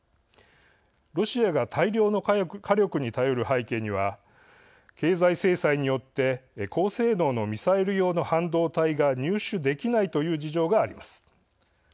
ロシアが大量の火力に頼る背景には経済制裁によって高性能のミサイル用の半導体が入手できないという事情があります。